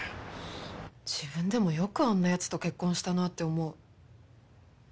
自分でもよくあんな奴と結婚したなって思う。